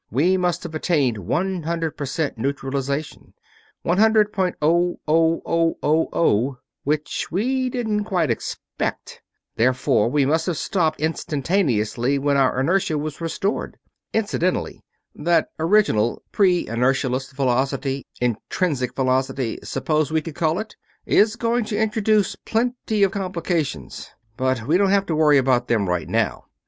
We must have attained one hundred percent neutralization one hundred point oh oh oh oh oh which we didn't quite expect. Therefore we must have stopped instantaneously when our inertia was restored. Incidentally, that original, pre inertialess velocity 'intrinsic' velocity, suppose we could call it? is going to introduce plenty of complications, but we don't have to worry about them right now.